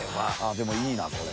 でもいいなこれ。